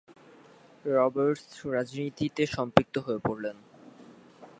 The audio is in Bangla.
রবার্টস রাজনীতিতে সম্পৃক্ত হয়ে পড়েন।